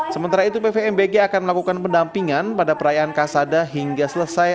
sementara itu pvmbg akan melakukan pendampingan pada perayaan kasada hingga selesai